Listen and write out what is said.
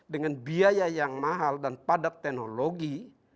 dengan biaya yang mahal dan padat teknologi